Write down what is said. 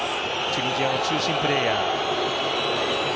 チュニジアの中心プレーヤー。